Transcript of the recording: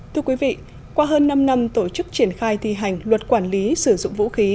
thưa quý vị qua hơn năm năm tổ chức triển khai thi hành luật quản lý sử dụng vũ khí